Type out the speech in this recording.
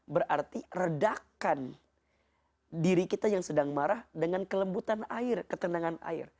berarti redakan diri kita yang sedang marah dengan kelembutan air ketenangan air